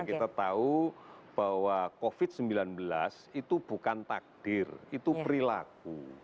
kita tahu bahwa covid sembilan belas itu bukan takdir itu perilaku